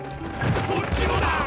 こっちもだ！